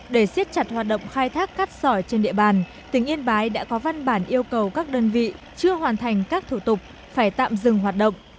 để xiết chặt hoạt động khai thác cát sỏi trên địa bàn tỉnh yên bái đã có văn bản yêu cầu các đơn vị chưa hoàn thành các thủ tục phải tạm dừng hoạt động